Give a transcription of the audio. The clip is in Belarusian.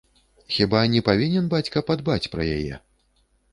Хіба не павінен бацька падбаць пра яе?